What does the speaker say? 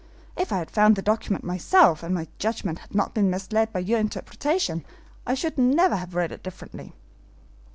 If I had found the document myself, and my judgment had not been misled by your interpretation, I should never have read it differently."